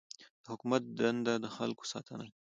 د حکومت دنده د خلکو ساتنه ده.